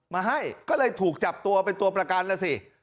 มาให้ก็เลยถูกจับตัวเป็นตัวประกันแล้วสิ